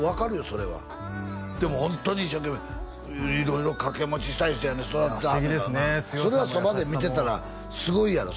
それはでもホントに一生懸命色々掛け持ちしたりして育ててはんねやからなそれはそばで見てたらすごいやろ？